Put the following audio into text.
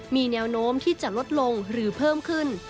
มีแนวโน้มที่จะลดลงหรือเพิ่มขึ้น